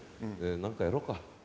何かやろっか。